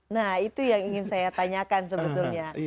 nah itu yang ingin saya tanyakan sebetulnya